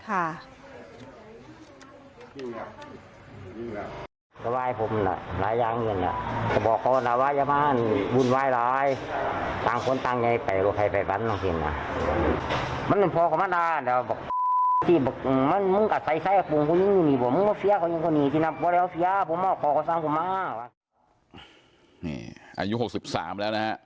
อายุ๖๓แล้วนะครับ